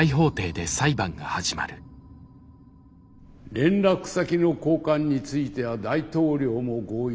連絡先の交換については大統領も合意していた。